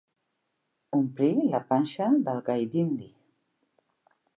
Omplí la panxa del galldindi.